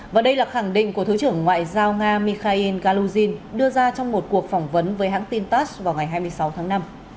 và đây là khẳng định của thứ trưởng ngoại giao nga mikhail galugin đưa ra trong một cuộc phỏng vấn với hãng tin tass vào ngày hai mươi sáu tháng năm